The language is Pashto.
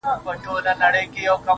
د سكون له سپينه هــاره دى لوېـدلى.